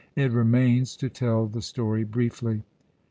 It remains to tell the story briefly.